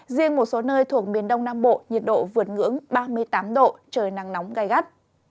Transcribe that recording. riêng một số nơi thuộc miền đông nam bộ nhiệt độ vượt ngưỡng ba mươi tám độ trời nắng nóng gai gắt